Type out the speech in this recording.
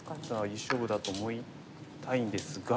いい勝負だと思いたいんですが。